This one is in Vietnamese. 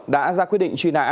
đã ra quyết định truy nã